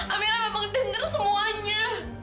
amirah memang denger semuanya